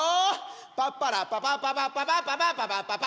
パッパラッパパッパパッパパッパパッパパッパパ！